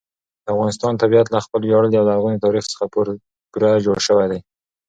د افغانستان طبیعت له خپل ویاړلي او لرغوني تاریخ څخه پوره جوړ شوی دی.